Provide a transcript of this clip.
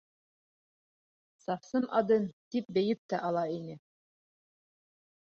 «Совсым одын» тип бейеп тә ала ине.